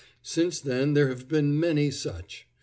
Since then there have been many such.